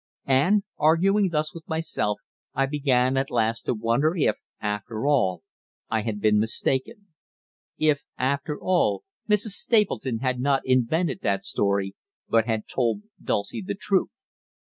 And, arguing thus with myself, I began at last to wonder if, after all, I had been mistaken; if, after all, Mrs. Stapleton had not invented that story, but had told Dulcie the truth.